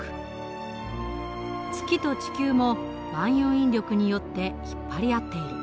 月と地球も万有引力によって引っ張り合っている。